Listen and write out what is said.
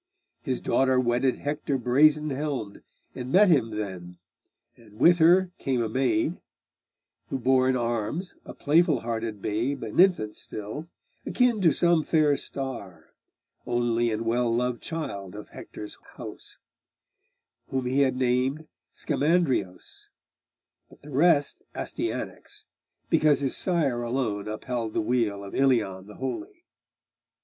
His daughter wedded Hector brazen helmed, And met him then; and with her came a maid, Who bore in arms a playful hearted babe An infant still, akin to some fair star, Only and well loved child of Hector's house, Whom he had named Scamandrios, but the rest Astyanax, because his sire alone Upheld the weal of Ilion the holy.